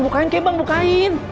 bukain bang bukain